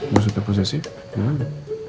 maksudnya posesif gak ada